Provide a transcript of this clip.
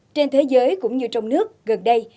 trên thế giới cũng như trong nước gần đây